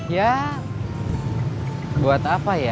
ya buat apa ya